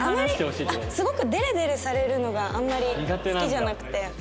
すごくデレデレされるのがあんまり好きじゃなくて。